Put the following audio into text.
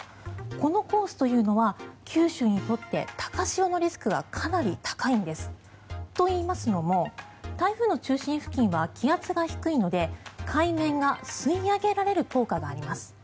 このコースというのは九州にとって高潮のリスクがかなり高いんです。と言いますのも台風の中心付近は気圧が低いので海面が吸い上げられる効果があります。